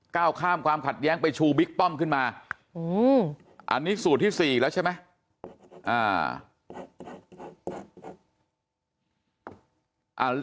ก้าวข้ามความขัดแย้งไปชูบิ๊กป้อมขึ้นมาอันนี้สูตรที่๔แล้วใช่ไหม